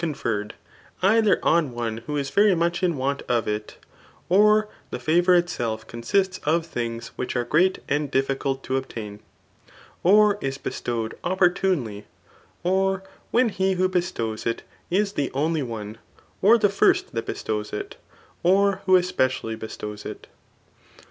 conferred, ekher on one who is venrittuch iti want of k, 6t the fatt)ur Itself consists of thmgs which are great and difficult to obtain, or is bestowed opportunely, or ^hen he who bestows it is th^ only one, or the first :that bestows it, or who espe cially bestows if.